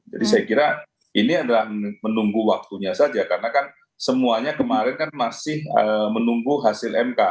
saya kira ini adalah menunggu waktunya saja karena kan semuanya kemarin kan masih menunggu hasil mk